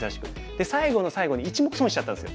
で最後の最後に１目損しちゃったんですよ。